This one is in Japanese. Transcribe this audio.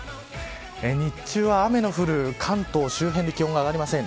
日中は雨の降る関東周辺で気温が上がりません。